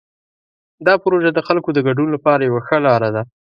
دا پروژه د خلکو د ګډون لپاره یوه ښه لاره ده.